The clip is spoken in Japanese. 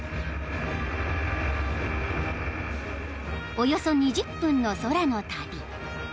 ［およそ２０分の空の旅］